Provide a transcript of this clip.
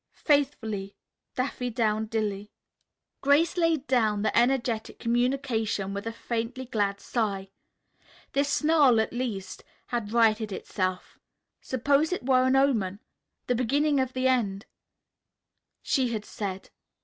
"Faithfully, "DAFFYDOWNDILLY THAYER ("To the end of the chapter.") Grace laid down this energetic communication with a faintly glad sigh. This snarl at least had righted itself. Suppose it were an omen? "The beginning of the end," she had said.